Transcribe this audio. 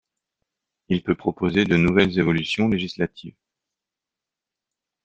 Il peut proposer de nouvelles évolutions législatives.